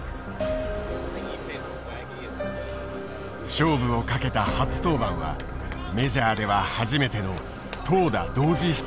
勝負をかけた初登板はメジャーでは初めての投打同時出場だった。